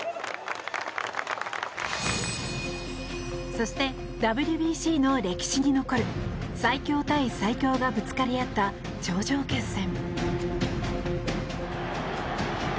そして、ＷＢＣの歴史に残る最強対最強がぶつかり合った頂上決戦。